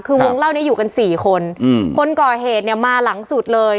คือวงเล่านี้อยู่กันสี่คนอืมคนคนก่อเหตุเนี่ยมาหลังสุดเลย